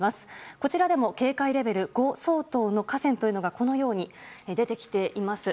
こちらでも警戒レベル５相当の河川というのがこのように出てきています。